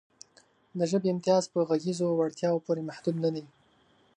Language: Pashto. د ژبې امتیاز په غږیزو وړتیاوو پورې محدود نهدی.